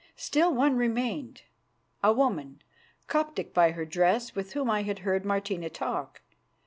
Still, one remained, a woman, Coptic by her dress, with whom I heard Martina talk.